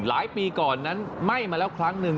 ปีก่อนนั้นไหม้มาแล้วครั้งหนึ่ง